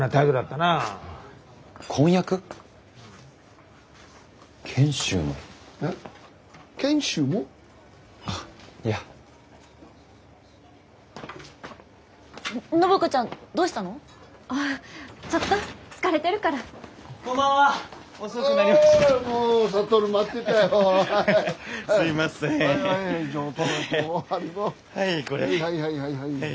はいはいはいはい。